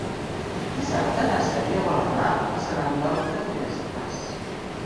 Dissabte na Cèlia vol anar a Sant Aniol de Finestres.